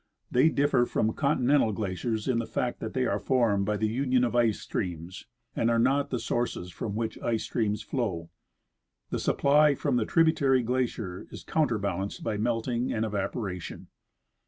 They differ from continental glaciers in the fact that they are formed by the union of ice streams and are not the sources from which ice streams flow. The supply from the tributary glacier is counter balanced by melting and evaporation.